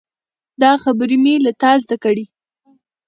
دا خبرې مې له تا زده کړي.